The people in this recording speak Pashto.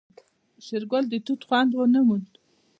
شېرګل د توت خوند ونه موند.